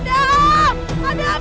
jangan makan adam